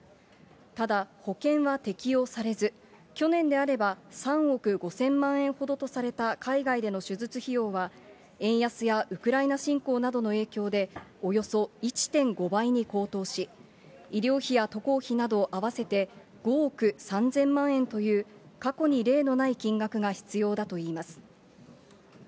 ただ、保険は適用されず、去年であれば３億５０００万円ほどとされた海外での手術費用は、円安やウクライナ侵攻などの影響で、およそ１．５倍に高騰し、医療費や渡航費など合わせて５億３０００万円という、過去に例のない金額が必要だといいます。